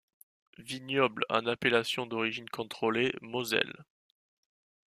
Vignoble en appellation d'origine contrôlée Moselle.